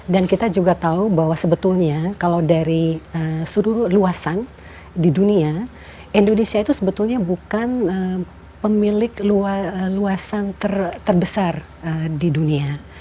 dan kita juga tahu bahwa sebetulnya kalau dari seluruh luasan di dunia indonesia itu sebetulnya bukan pemilik luasan terbesar di dunia